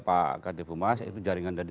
kalau di bumas itu jaringan dari jad